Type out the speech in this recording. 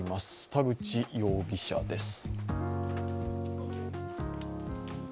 田口容疑者です。